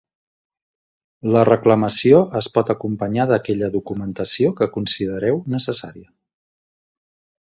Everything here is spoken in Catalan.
La reclamació es pot acompanyar d'aquella documentació que considereu necessària.